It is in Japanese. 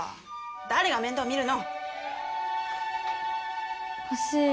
誰が面倒見るの？